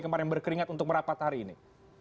kemarin berkeringat untuk merapat hari ini